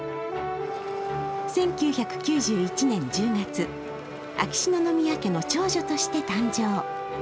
１９９１年１０月、秋篠宮家の長女として誕生。